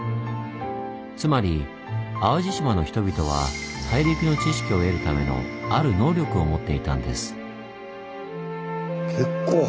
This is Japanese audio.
つまり淡路島の人々は大陸の知識を得るためのある能力を持っていたんです。